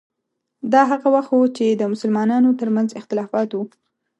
دا هغه وخت و چې د مسلمانانو ترمنځ اختلافات وو.